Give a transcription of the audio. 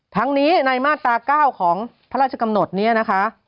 ทั้งนี้ในมาตรา๙ของพระราชกำหนดนี้นะคะ